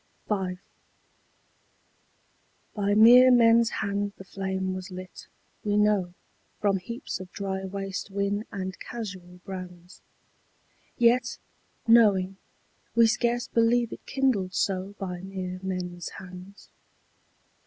V. By mere men's hands the flame was lit, we know, From heaps of dry waste whin and casual brands: Yet, knowing, we scarce believe it kindled so By mere men's hands.